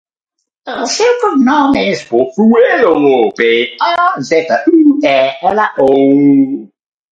El seu cognom és Pozuelo: pe, o, zeta, u, e, ela, o.